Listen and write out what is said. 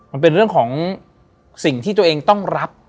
มันเป็นเรื่องของสิ่งที่ตัวเองต้องรับ